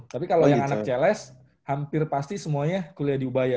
tapi kalau yang anak cls hampir pasti semuanya kuliah di ubaya